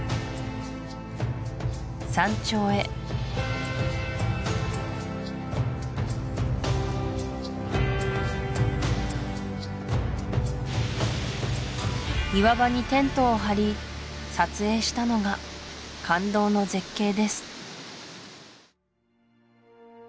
山頂へ岩場にテントを張り撮影したのが感動の絶景です